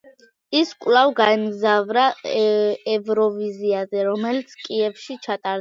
ის კვლავ გაემგზავრა ევროვიზიაზე, რომელიც კიევში ჩატარდა.